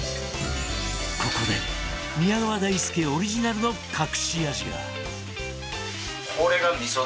ここで宮川大輔オリジナルの隠し味が